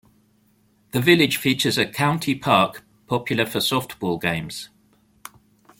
The village features a county park popular for softball games.